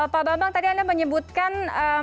pak bambang tadi anda menyebutkan